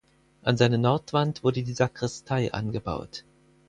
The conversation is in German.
An seine Nordwand wurde die Sakristei angebaut.